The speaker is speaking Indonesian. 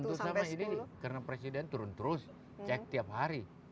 terutama ini karena presiden turun terus cek tiap hari